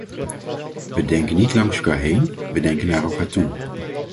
We denken niet langs elkaar heen, we denken naar elkaar toe.